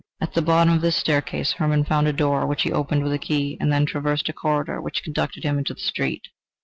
At the bottom of the staircase Hermann found a door, which he opened with a key, and then traversed a corridor which conducted him into the street.